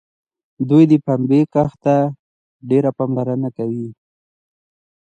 دوی د پنبې کښت ته ډېره پاملرنه کوي.